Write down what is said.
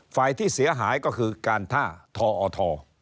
ฝ่ายที่เสียหายก็คือการท่าทอท